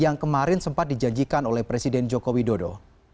yang kemarin sempat dijanjikan oleh presiden joko widodo